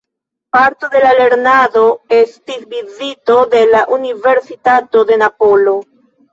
Parto de la lernado estis vizito de la Universitato de Napolo.